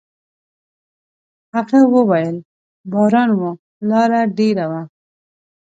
هغه وويل: «باران و، لاره ډېره وه.»